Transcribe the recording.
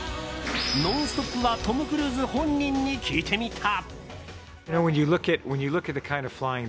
「ノンストップ！」はトム・クルーズ本人に聞いてみた。